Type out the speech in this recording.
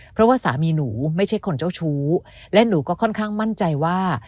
เพราะว่าสามีหนูไม่ใช่คนเจ้าชู้และหนูก็ค่อนข้างมั่นใจว่า